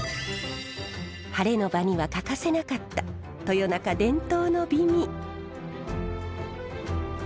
晴れの場には欠かせなかった豊中伝統の美味。